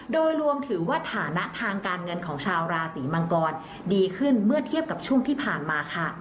โดยรวมถือว่าฐานะทางการเงินของชาวราศีมังกรดีขึ้นเมื่อเทียบกับช่วงที่ผ่านมาค่ะ